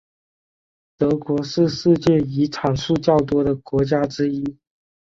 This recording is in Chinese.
德国是世界遗产数较多的国家之一。